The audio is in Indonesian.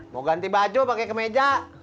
mau ganti baju pakai kemeja